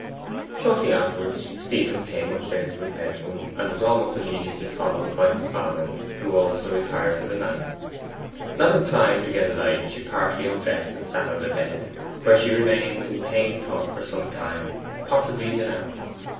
Shortly afterwards Stephen came upstairs to his bedroom, and was almost immediately followed by her father, who also retired for the night. Not inclined to get a light, she partly undressed and sat on the bed, where she remained in pained thought for some time, possibly an hour.